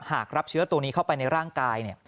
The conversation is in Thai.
หากรับเชื้อตัวนี้เข้าไปในร่างกาย